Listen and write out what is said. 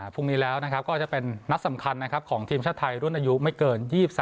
พรุ่งนี้แล้วก็จะเป็นนัดสำคัญนะครับของทีมชาติไทยรุ่นอายุไม่เกิน๒๓